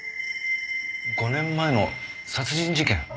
５年前の殺人事件？